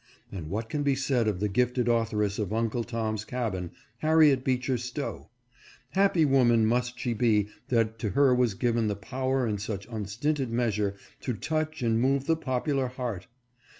And what can be said of the gifted authoress of " Uncle Tom's Cabin," Harriet Beecher Stowe ? Happy woman must she be that to her was given the power in such un stinted measure to touch and move the popular heart